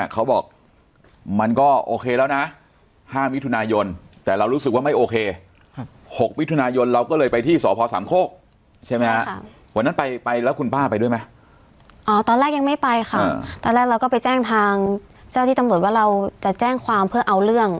อ๋อตอนแรกยังไม่ไปค่ะตอนแรกเราก็ไปแจ้งทางเจ้าที่ตำรวจว่าเราจะแจ้งความเพื่อเอาเรื่อง